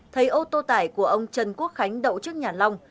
thấy ô tô tải của ông trần quốc khánh đậu trước nhà long